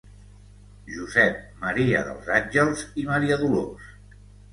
Josep, Maria dels Àngels i Maria Dolors.